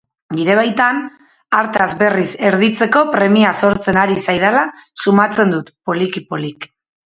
Nire baitan, hartaz berriz erditzeko premia sortzen ari zaidala sumatzen dut poliki-poliki.